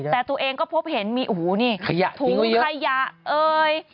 แต่ตัวเองก็พบเห็นมีโอ้โหนี่ขยะถุงขยะเอ่ย